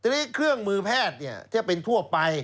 ทีนี้เครื่องมือแพทย์ที่เป็นทั่วไป